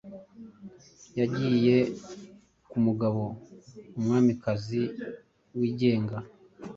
Yagiye kumugabo-umwamikazi wigenga